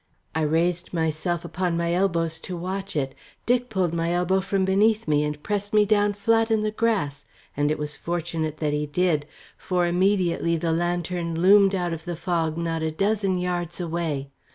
I raised myself upon my elbows to watch it. Dick pulled my elbow from beneath me, and pressed me down flat in the grass; and it was fortunate that he did, for immediately the lantern loomed out of the fog not a dozen yards away.